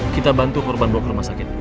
kita bantu korban bawa ke rumah sakit